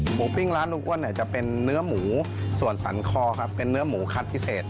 ปิ้งร้านลุงอ้วนเนี่ยจะเป็นเนื้อหมูส่วนสันคอครับเป็นเนื้อหมูคัดพิเศษ